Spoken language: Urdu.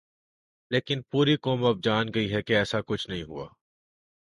لیکن پوری قوم اب جان گئی ہے کہ ایسا کچھ نہیں ہوا۔